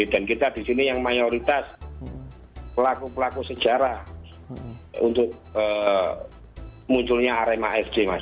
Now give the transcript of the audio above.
dan kita di sini yang mayoritas pelaku pelaku sejarah untuk munculnya arema fc mas